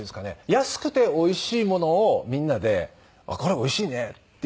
安くておいしいものをみんなで「これおいしいね」っていう。